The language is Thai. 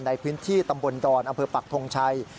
ในพื้นที่ตำบลดอนอำเภอปักทงชัย